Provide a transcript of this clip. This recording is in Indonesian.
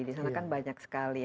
di sana kan banyak sekali